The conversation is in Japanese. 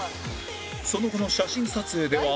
その後の写真撮影では